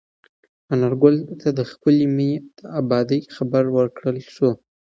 انارګل ته د خپلې مېنې د ابادۍ خبر ورکړل شو.